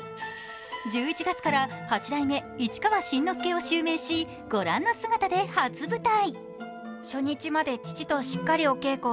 １１月から８代目市川新之助を襲名しご覧の姿で初舞台。